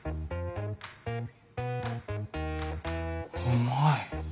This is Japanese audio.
うまい。